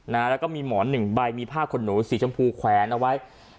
แล้วก็มีหมอนหนึ่งใบมีผ้าขนหนูสีชมพูแขวนเอาไว้